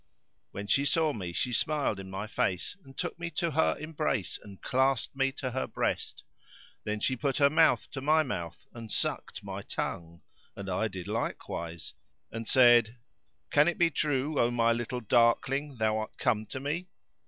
When she saw me she smiled in my face and took me to her embrace and clasped me to her breast; then she put her mouth to my mouth and sucked my tongue[FN#535] (and I did likewise) and said, "Can it be true, O my little darkling, thou art come to me?"